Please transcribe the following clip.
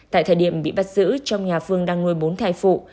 tại thời điểm bị bắt giữ trong nhà phương đang ngồi bốn thai phụ